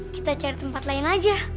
kita cari tempat lain aja